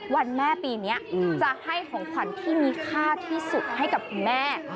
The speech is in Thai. วันแม่ปีนี้จะให้ของขวัญที่มีค่าที่สุดให้กับคุณแม่